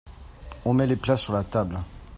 On met les plats sur la table.